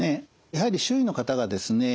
やはり周囲の方がですね